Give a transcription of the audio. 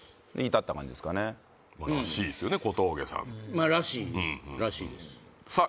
まあらしいらしいですさあ